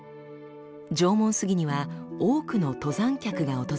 縄文杉には多くの登山客が訪れます。